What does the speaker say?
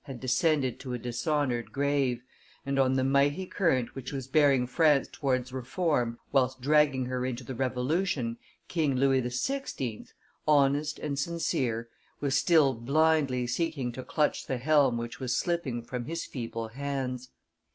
had descended to a dishonored grave, and on the mighty current which was bearing France towards reform, whilst dragging her into the Revolution, King Louis XVI., honest and sincere, was still blindly seeking to clutch the helm which was slipping from his feeble hands.